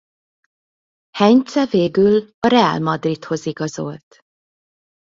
Heinze végül a Real Madridhoz igazolt.